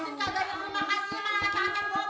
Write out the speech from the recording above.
makanya tak akan goblok